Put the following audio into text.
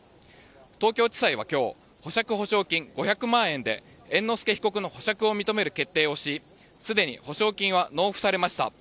東京地裁は今日保釈保証金５００万円で猿之助被告の保釈を認める決定をしすでに保証金は納付されました。